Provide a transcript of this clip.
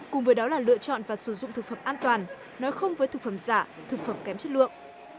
cùng với đó là lựa chọn và sử dụng thực phẩm an toàn nói không với thực phẩm giả thực phẩm kém chất lượng